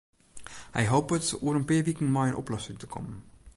Hy hopet oer in pear wiken mei in oplossing te kommen.